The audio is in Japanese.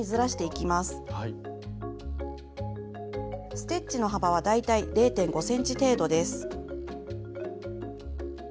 ステッチの幅は大体０．５ｃｍ程度です。